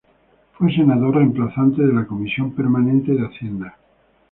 Fue senador reemplazante en la Comisión Permanente de Hacienda.